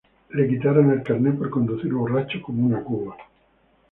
Le quitaron el carnet por conducir borracho como una cuba